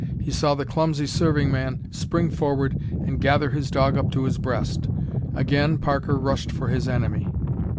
He saw the clumsy serving man spring forward and gather his dog up to his breast. Again Parker rushed for his enemy.